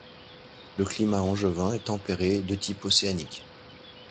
Le climat angevin est tempéré, de type océanique.